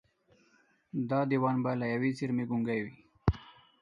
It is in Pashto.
دا دېوان به له ېوې څېرمې ګونګي وي